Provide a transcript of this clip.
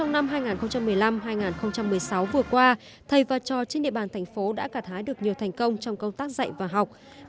nhờ đó trong năm hai nghìn một mươi năm hai nghìn một mươi sáu vừa qua thầy và trò trên địa bàn thành phố đã cả thái được nhiều thành công trong công tác dạy và học